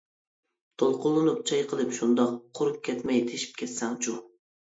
دولقۇنلىنىپ، چايقىلىپ شۇنداق، قۇرۇپ كەتمەي تېشىپ كەتسەڭچۇ.